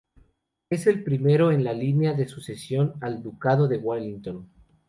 Es el primero en la línea de sucesión al Ducado de Wellington.